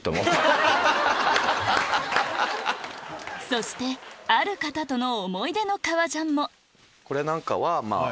そしてある方との思い出の革ジャンもこれなんかは。